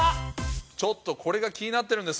ちょっとこれが気になってるんです。